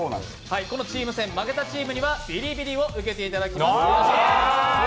このチーム戦、負けたチームにはビリビリを受けていただきます。